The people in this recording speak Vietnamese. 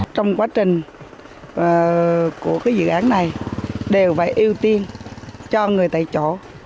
trong quá trình của dự án này đều phải ưu tiên cho người tại chỗ